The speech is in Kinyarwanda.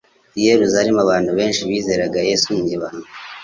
I Yerusalemu abantu benshi bizeraga Yesu mu ibanga